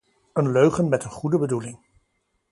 Een leugen met een goede bedoeling.